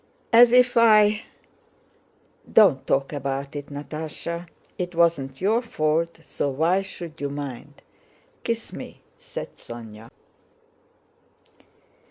as if I..." "Don't talk about it, Natásha. It wasn't your fault so why should you mind? Kiss me," said Sónya.